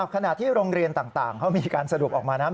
ขณะที่โรงเรียนต่างเขามีการสรุปออกมานะ